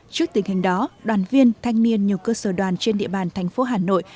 trước tình hình đó đoàn viên thanh niên nhiều cơ sở đoàn trên địa bàn thành phố hà nội